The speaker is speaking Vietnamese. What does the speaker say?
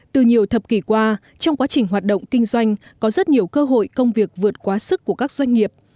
từ nhiều thập kỷ qua trong quá trình hoạt động kinh doanh có rất nhiều cơ hội công việc vượt quá sức của các doanh nghiệp